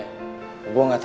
gue gak tau gue yang lupa